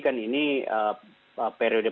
kan ini periode